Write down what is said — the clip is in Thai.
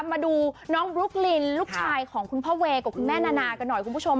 มาดูน้องบลุ๊กลินลูกชายของคุณพ่อเวย์กับคุณแม่นานากันหน่อยคุณผู้ชม